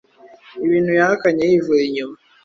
ibintu yahakanye yivuye inyuma